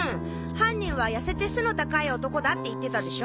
犯人はやせて背の高い男だって言ってたでしょ。